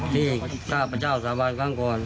ที่ก้าวพระเจ้าสาบานข้างก่อน